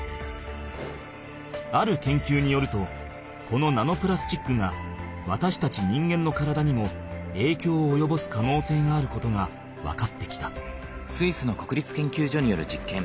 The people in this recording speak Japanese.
ある研究によるとこのナノプラスチックがわたしたち人間の体にも影響をおよぼす可能性があることが分かってきた。